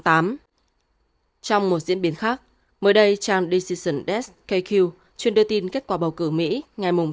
trong một diễn biến khác mới đây trang decision desk kq chuyên đưa tin kết quả bầu cử mỹ ngày